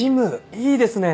いいですね。